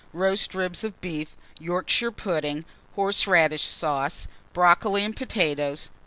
Roast ribs of beef, Yorkshire pudding, horseradish sauce, brocoli and potatoes.